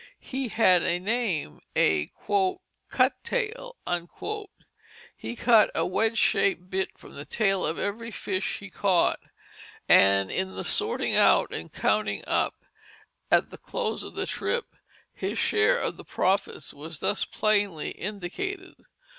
He had a name a "cut tail." He cut a wedge shaped bit from the tail of every fish he caught, and in the sorting out and counting up at the close of the trip his share of the profits was thus plainly indicated.